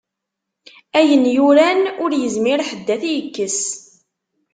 Ayen yuran, ur yezmir ḥedd ad t-yekkes.